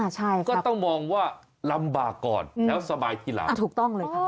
ใช่ก็ต้องมองว่าลำบากก่อนแล้วสบายทีหลังอ่าถูกต้องเลยค่ะ